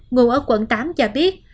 ngủ ở quận tám cho biết